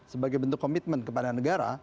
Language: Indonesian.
sebagai bentuk komitmen kepada negara